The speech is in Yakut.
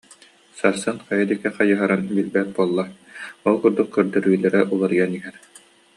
Сарсын хайа диэки хайыһарын билбэт буолла, ол курдук көрдөрүүлэрэ уларыйан иһэр